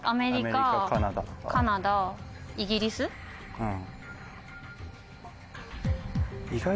うん。